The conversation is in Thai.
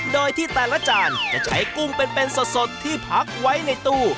โดยที่แต่ละจานจะใช้กุ้งเป็นสดที่พักไว้ในตู้